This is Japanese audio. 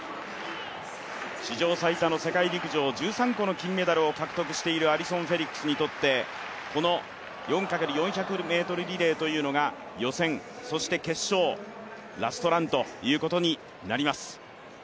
史上最多の世界陸上１３個の金メダルを獲得しているアリソン・フェリックスにとってこの４×１００ｍリレーというのが予選、そして決勝、ラストランということになります。